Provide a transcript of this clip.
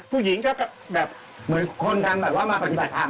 ผู้หญิงก็แบบคนกังมาปฏิบัติธรรม